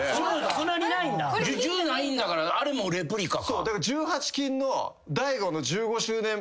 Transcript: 受注ないんだからあれもレプリカか。